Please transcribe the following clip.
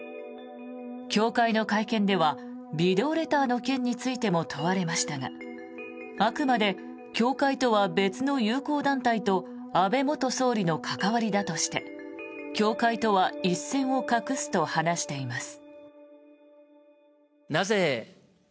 教会の会見ではビデオレターの件についても問われましたがあくまで教会とは別の友好団体と安倍元総理の関わりだとして教会とは一線を画すと話しています。